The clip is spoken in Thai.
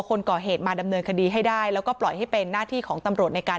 ไปอยู่ฝูงไหนมันก็ถึงหัวเลอะตั้งเป็นถึงตอนนี้